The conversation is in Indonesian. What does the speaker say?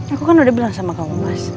aku kan udah bilang sama kamu mas